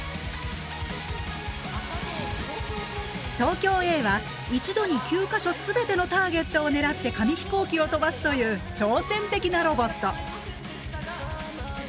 東京Ａは一度に９か所全てのターゲットを狙って紙飛行機を飛ばすという挑戦的なロボット！